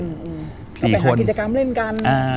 ก็ไปขอกิจกรรมเล่นกัน